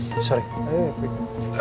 menjadi lawan nino